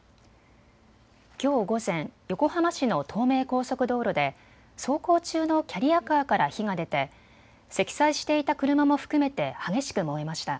きょう午前、横浜市の東名高速道路で走行中のキャリアカーから火が出て積載していた車も含めて激しく燃えました。